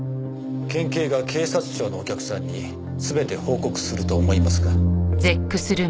県警が警察庁のお客さんに全て報告すると思いますか？